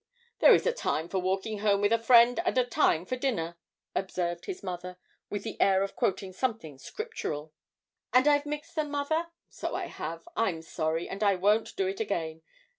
'There is a time for walking home with a friend, and a time for dinner,' observed his mother, with the air of quoting something Scriptural. 'And I've mixed them, mother? So I have; I'm sorry, and I won't do it again.